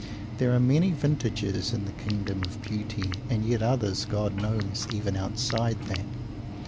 There are many vintages in the kingdom of Beauty; and yet others God knows! even outside that.